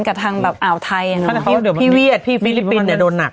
กับทางแบบอาวไทยเอาหนูฟิลิปปินส์เนี่ยโดนหนัก